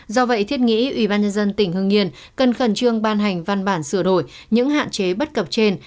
do vậy thiết nghĩ ubnd tỉnh hưng yên cần khẩn trương ban hành văn bản sửa đổi những hạn chế bắt cập trên